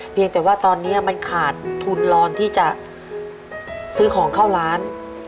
เพียงแต่ว่าตอนนี้มันขาดทุนรอนที่จะซื้อของเข้าร้าน